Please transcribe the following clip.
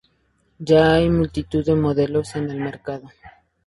Ya hay multitud de modelos en el mercado.